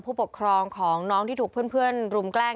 ผู้ปกครองของน้องที่ถูกเพื่อนรุมแกล้ง